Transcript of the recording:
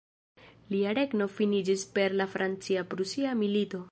Lia regno finiĝis per la Francia-Prusia Milito.